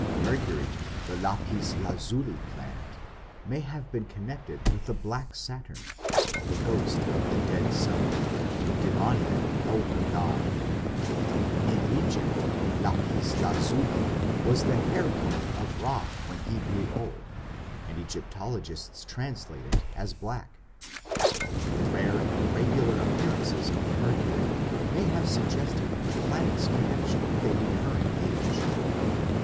Mercury, the lapis lazuli planet, may have been connected with the black Saturn, the ghost of the dead sun, the demoniac elder god; in Egypt lapis lazuli was the hair colour of Ra when he grew old, and Egyptologists translate it as black. The rare and regular appearances of Mercury may have suggested the planet's connection with a recurring Age.